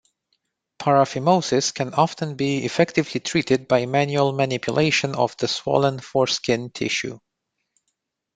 Paraphimosis can often be effectively treated by manual manipulation of the swollen foreskin tissue.